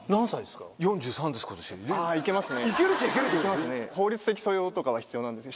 あぁいけますね。